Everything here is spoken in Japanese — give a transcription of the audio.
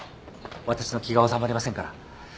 私の気が治まりませんから